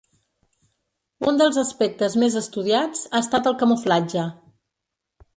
Un dels aspectes més estudiats ha estat el camuflatge.